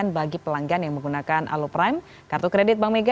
bagi pelanggan yang menggunakan aloprime kartu kredit bank mega